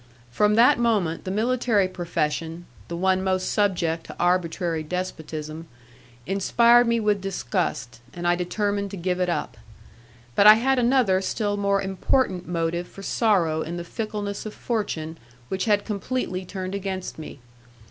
From that moment the military profession, the one most subject to arbitrary despotism, inspired me with disgust, and I determined to give it up. But I had another still more important motive for sorrow in the fickleness of fortune which had completely turned against me.